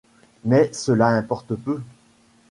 Mais cela importe peu.